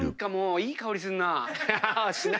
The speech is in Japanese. いい香りするな。